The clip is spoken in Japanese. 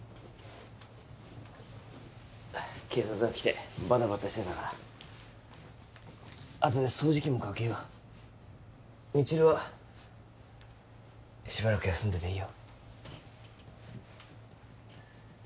警察が来てバタバタしてたからあとで掃除機もかけよう未知留はしばらく休んでていいよ